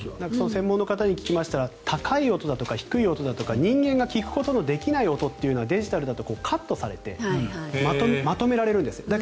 専門の方に聞きましたら高い音だとか低い音だとか人間が聴くことのできない音というのはデジタルだとカットされてまとめられるんですって。